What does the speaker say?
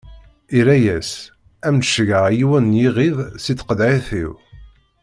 Irra-as: Ad m-d-ceggɛeɣ yiwen n yiɣid si tqeḍɛit-iw.